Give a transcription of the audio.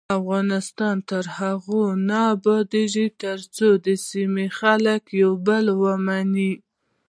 افغانستان تر هغو نه ابادیږي، ترڅو د سیمې خلک یو بل ومني.